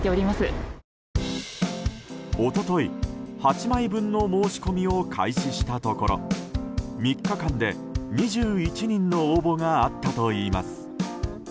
一昨日、８枚分の申し込みを開始したところ３日間で２１人の応募があったといいます。